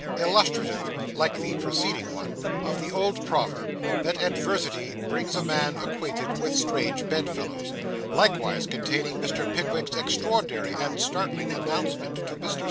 ILLUSTRATIVE, LIKE THE PRECEDING ONE, OF THE OLD PROVERB, THAT ADVERSITY BRINGS A MAN ACQUAINTED WITH STRANGE BEDFELLOWS LIKEWISE CONTAINING MR. PICKWICK'S EXTRAORDINARY AND STARTLING ANNOUNCEMENT TO MR.